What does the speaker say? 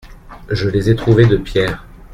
Je les ai trouvés de pierre.